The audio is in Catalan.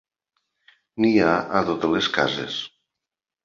N'hi ha a totes les cases.